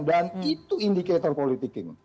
dan itu indikator politik ini